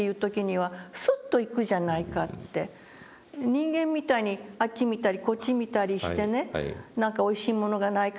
「人間みたいにあっち見たりこっち見たりしてね何かおいしいものがないかとかね